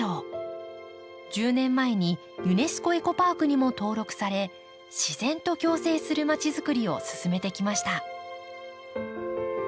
１０年前にユネスコエコパークにも登録され自然と共生するまちづくりを進めてきました。